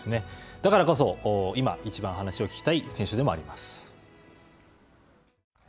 だからこそ今、いちばん話を聞きたい選手でもあります。